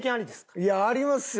いやありますよ